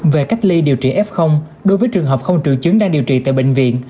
về cách ly điều trị f đối với trường hợp không triệu chứng đang điều trị tại bệnh viện